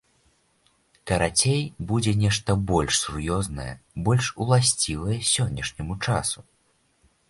Карацей, будзе нешта больш сур'ёзнае, больш уласцівае сённяшняму часу.